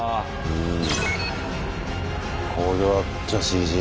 うん。